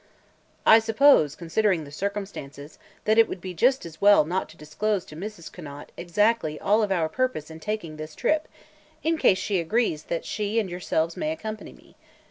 "I suppose, considering the circumstances, that it would be just as well not to disclose to Mrs. Conant exactly all of our purpose in baking this trip, in case she agrees that she and yourselves may accompany me.